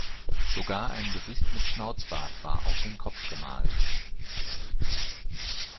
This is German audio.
Sogar ein Gesicht mit Schnauzbart war auf den Kopf gemalt.